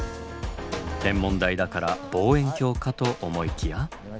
天文台だから望遠鏡かと思いきや。